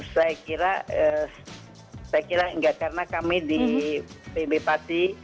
saya kira enggak karena kami di pb pati